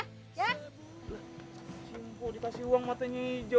lah si mpo dikasih uang matanya hijau